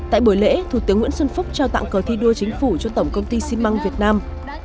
tại buổi lễ thủ tướng nguyễn xuân phúc trao tặng cờ thi đua chính phủ cho tổng công ty xi măng việt nam